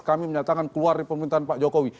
kami menyatakan keluar di pemerintahan pak jokowi